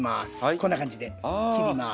こんな感じで切ります。